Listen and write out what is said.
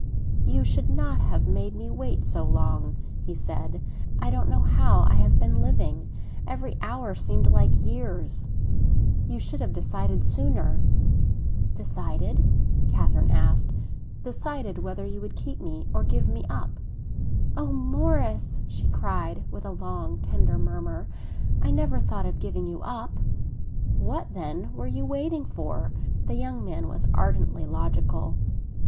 "You should not have made me wait so long," he said. "I don't know how I have been living; every hour seemed like years. You should have decided sooner." "Decided?" Catherine asked. "Decided whether you would keep me or give me up." "Oh, Morris," she cried, with a long tender murmur, "I never thought of giving you up!" "What, then, were you waiting for?" The young man was ardently logical.